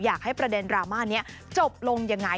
อยากให้ประเด็นรามานี้จบลงยังไง